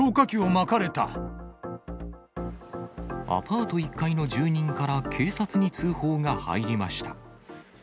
アパート１階の住人から警察に通報が入りました。